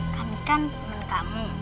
kami kan temen kamu